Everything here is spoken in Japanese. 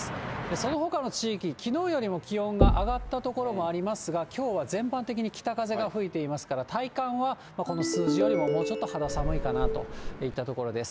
そのほかの地域、きのうよりも気温が上がった所もありますが、きょうは全般的に北風が吹いていますから、体感は、この数字よりも、もうちょっと肌寒いかなといったところです。